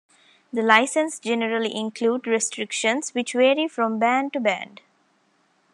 The licenses generally include restrictions, which vary from band to band.